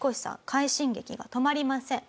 快進撃が止まりません。